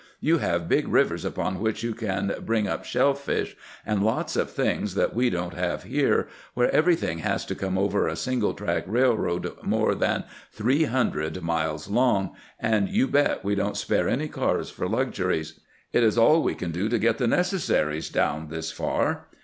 You have big rivers upon which you can bring up shell fish, and lots of things we don't have here, where every thing has to come over a single track railroad more than three hundred mUes long, and you bet we don't spare any cars for luxuries. It is all we can do to get the ne cessaries down this far.